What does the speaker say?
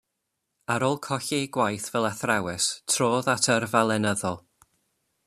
Ar ôl colli ei gwaith fel athrawes trodd at yrfa lenyddol.